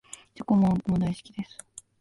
チョコもあんこも大好きです